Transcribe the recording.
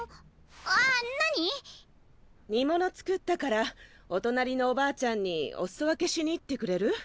あっ何？にもの作ったからおとなりのおばあちゃんにおすそ分けしに行ってくれる？